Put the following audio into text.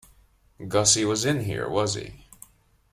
Gussie was in here, was he?